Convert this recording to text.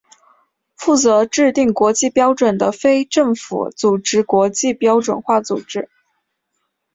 负责制定国际标准的非政府组织国际标准化组织。